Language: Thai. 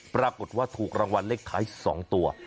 ปรากฏว่าถูกรางวัลเลขท้าย๒ตัว